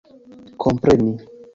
kompreni